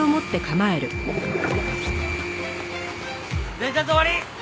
伝達終わり！